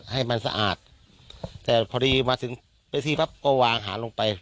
ให้มันสะอาดแต่พอดีมาถึงเวทีปั๊บก็วางหาลงไป